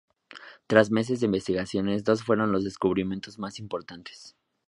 Tras meses de investigaciones, dos fueron los descubrimientos más importantes.